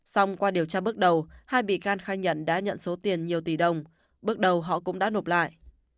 xong qua điều tra bước đầu hai bị can khai nhận đã nhận số tiền nhiều tỷ đồng bước đầu họ cũng đã nộp lại